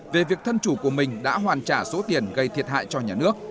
về việc thân chủ của mình đã hoàn trả số tiền gây thiệt hại cho nhà nước